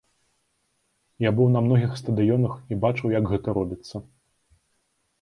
Я быў на многіх стадыёнах і бачыў, як гэта робіцца.